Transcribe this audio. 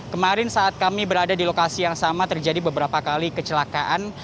kemarin saat kami berada di lokasi yang sama terjadi beberapa kali kecelakaan